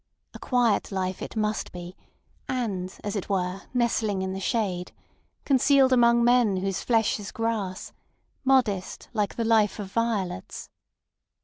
A quiet life it must be and, as it were, nestling in the shade, concealed among men whose flesh is grass; modest, like the life of violets.